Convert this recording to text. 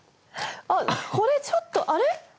あっこれちょっとあれ？